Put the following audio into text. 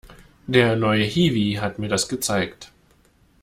Der neue Hiwi hat mir das gezeigt.